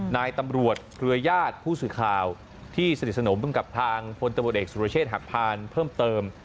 นายตำรวจเครือญาติผู้สื่อข่าวที่สนิทสนมกับทางพลตำรวจเอกสุรเชษฐ์หักพานเพิ่มเติม